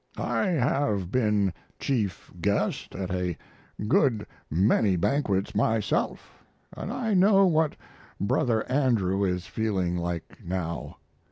I have been chief guest at a good many banquets myself, and I know what brother Andrew is feeling like now.